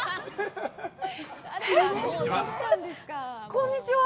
こんにちは。